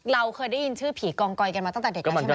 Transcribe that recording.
เราเคยได้ยินชื่อผีกองกอยกันมาตั้งแต่เด็กแล้วใช่ไหม